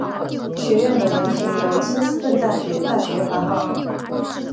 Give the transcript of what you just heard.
学院的文凭由金斯顿大学大学发放。